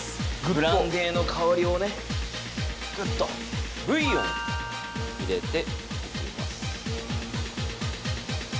ブランデーの香りをねグッとブイヨンを入れていきます